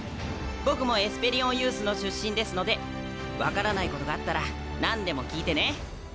僕もエスペリオンユースの出身ですので分からないことがあったら何でも聞いてね。